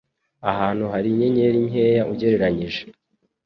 ahantu hari inyenyeri nkeya ugereranyije.